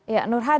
ya nur hadi